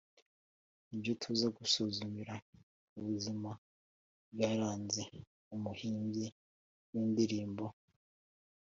nibyo tuza gusuzumira ku buzima bwaranze umuhimbyi w’indirimbo